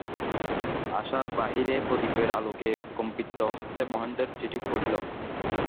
আশা বাহিরে প্রদীপের আলোকে কম্পিতহস্তে মহেন্দ্রের চিঠি পড়িল।